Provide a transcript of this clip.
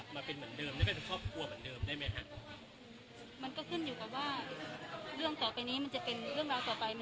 มันจะเป็นเรื่องราวต่อไปมันจะเป็นยังไง